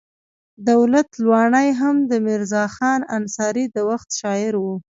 دولت لواڼی هم د میرزا خان انصاري د وخت شاعر و.